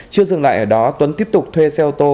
chưa dừng lại ở đó tuấn tiếp tục thuê xe ô tô